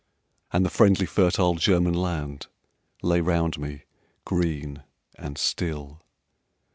And the friendly fertile German land Lay round me green and still.